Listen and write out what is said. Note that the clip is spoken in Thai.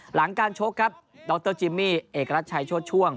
หลังการชกครับดรจิมมี่เอกรัชชัยโชชช่วง